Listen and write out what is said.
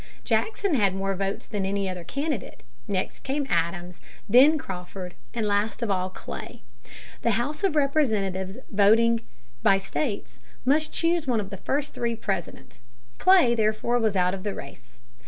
Jackson had more votes than any other candidate, next came Adams, then Crawford, and last of all Clay. The House of Representatives, voting by states, must choose one of the first three President. Clay, therefore, was out of the race.